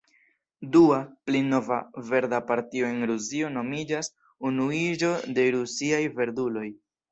Dua, pli nova, verda partio en Rusio nomiĝas Unuiĝo de Rusiaj Verduloj.